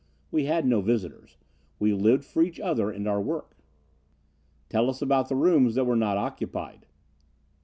We had no visitors. We lived for each other and our work." "Tell us about the rooms that were not occupied."